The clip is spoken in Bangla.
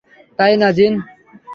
তাই না, জিন?